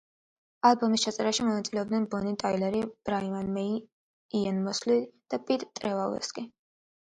ალბომის ჩაწერაში მონაწილეობდნენ ბონი ტაილერი, ბრაიან მეი, იენ მოსლი და პიტ ტრევავასი.